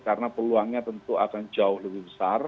karena peluangnya tentu akan jauh lebih besar